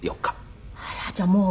あらじゃあもう。